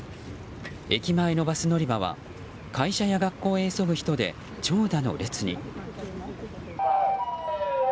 駅前のバス乗り場は会社や学校へ急ぐ人で長蛇の列に。